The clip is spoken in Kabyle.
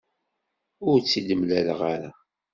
Ur tt-id-mlaleɣ ara.